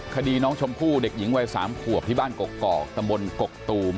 คดีน้องชมพู่เด็กหญิงวัย๓ขวบที่บ้านกกอกตำบลกกตูม